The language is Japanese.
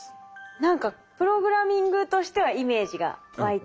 何かプログラミングとしてはイメージが湧いてきました。